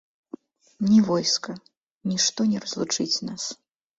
Ні войска, нішто не разлучыць нас.